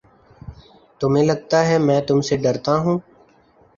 تمہیں لگتا ہے میں تم سے ڈرتا ہوں؟